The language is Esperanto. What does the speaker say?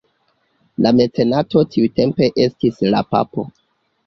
La mecenato tiutempe estis la Papo.